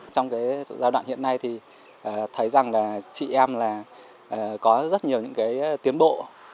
trong giai đoạn hiện nay thấy rằng chị em có rất nhiều tiến bộ